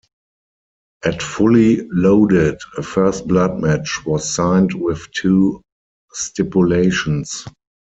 At Fully Loaded, a First Blood match was signed with two stipulations.